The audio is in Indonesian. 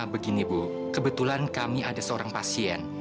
begini bu kebetulan kami ada seorang pasien